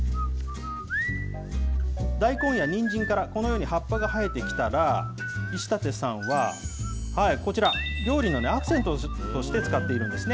大根やにんじんからこのように葉っぱが生えてきたら、石館さんは、こちら、料理のアクセントとして使っているんですね。